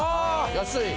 安い！